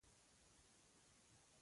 غواړي چې شاعران یې په شعرونو کې وستايي.